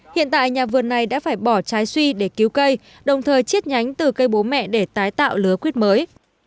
hiện tại nhà vườn này đã phải bỏ trái suy để cứu cây đồng thời chiết nhánh từ cây bố mẹ để tái tạo lứa quyết mới